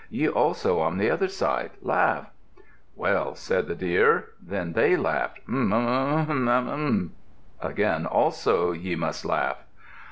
Ye also, on the other side, laugh." "Well," said the Deer. Then they laughed, "Mm, mm, mm, mm, mm! Again also ye must laugh."